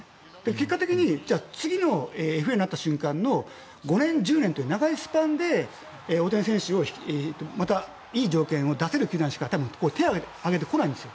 結果的に次のＦＡになった瞬間の５年、１０年という長いスパンで大谷選手をいい状況を出せる球団しか手を上げてこないんです。